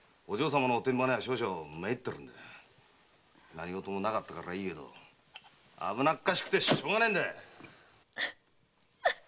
何事もなかったからいいが危なっかしくてしょうがないよ！